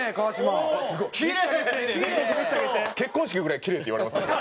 結婚式ぐらい「キレイ」って言われますね。